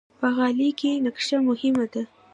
په غالۍ کې نقشه مهمه ده.